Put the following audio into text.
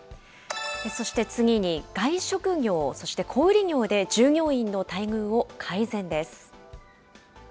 そして次に、外食業、そして小売り業で従業員の待遇を改善です。